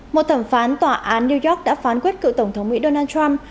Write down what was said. một thẩm phán tòa án new york đã phán quyết cựu tổng thống mỹ donald trump